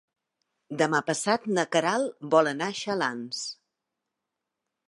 Demà passat na Queralt vol anar a Xalans.